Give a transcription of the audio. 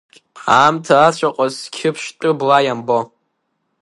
Аамҭа ацәаҟәа зқьы ԥштәы бла иамбо.